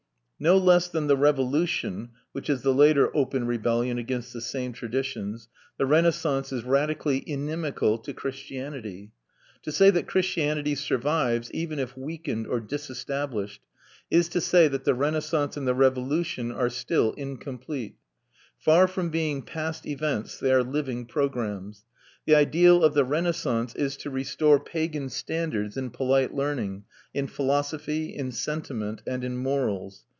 No less than the Revolution (which is the later open rebellion against the same traditions) the Renaissance is radically inimical to Christianity. To say that Christianity survives, even if weakened or disestablished, is to say that the Renaissance and the Revolution are still incomplete, Far from being past events they are living programmes. The ideal of the Renaissance is to restore pagan standards in polite learning, in philosophy, in sentiment, and in morals.